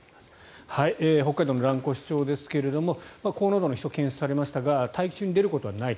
北海道の蘭越町ですが高濃度のヒ素が検出されましたが大気中に出ることはない。